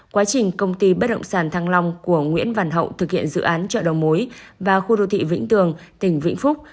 quá trình công ty bất động sản thăng long của nguyễn văn hậu thực hiện dự án chợ đầu mối và khu đô thị vĩnh tường tỉnh vĩnh phúc